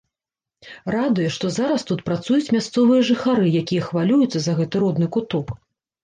Радуе, што зараз тут працуюць мясцовыя жыхары, якія хвалююцца за гэты родны куток.